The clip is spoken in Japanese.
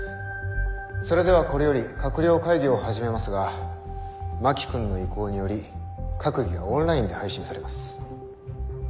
それではこれより閣僚会議を始めますが真木君の意向により閣議はオンラインで配信されます。